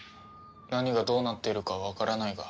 何がどうなっているかはわからないが。